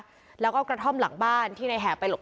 ทีมข่าวเราก็พยายามสอบปากคำในแหบนะครับ